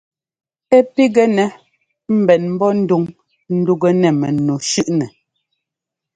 Ɛ́ pigɛnɛ́ ḿbɛn ḿbɔ́ ndúŋ ńdúkɛ nɛ mɛnu shʉ́ꞌnɛ.